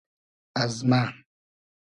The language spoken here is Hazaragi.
از مۂ